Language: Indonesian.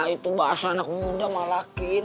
itu bahasa anak muda malakin